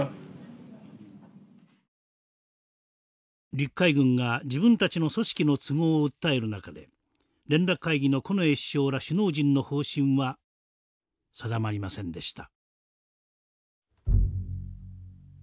陸海軍が自分たちの組織の都合を訴える中で連絡会議の近衛首相ら首脳陣の方針は定まりませんでした。